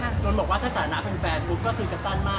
น้นบอกว่าถ้าสาธารณะเป็นแฟนลูกก็คือจะสั้นมาก